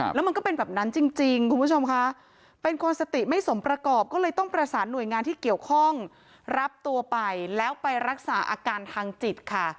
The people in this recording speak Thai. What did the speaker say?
แล้วมันก็เป็นแบบนั้นจริงคุณผู้ชมค่ะเป็นคนสติไม่สมประกอบก็เลยต้องประสานหน่วยงานที่เกี่ยวข้องรับตัวไปแล้วไปรักษาอาการทางจิตค่ะ